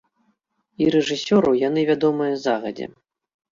І рэжысёру яны вядомыя загадзя.